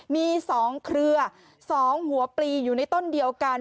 มี๒เครือ๒หัวปลีอยู่ในต้นเดียวกัน